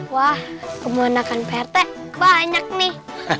wah kemenangkan prt banyak nih